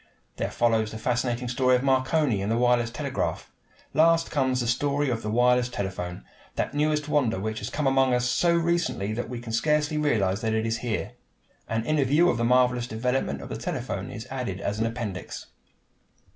There follows the fascinating story of Marconi and the wireless telegraph. Last comes the story of the wireless telephone, that newest wonder which has come among us so recently that we can scarcely realize that it is here. An inner view of the marvelous development of the telephone is added in an appendix.